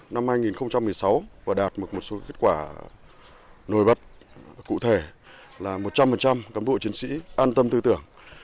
năm hai nghìn một mươi sáu và đạt được một số kết quả nổi bật cụ thể là một trăm linh cán bộ chiến sĩ an tâm tư tưởng